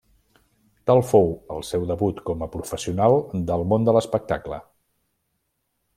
Tal fou el seu debut com a professional del món de l'espectacle.